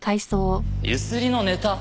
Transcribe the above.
ゆすりのネタ？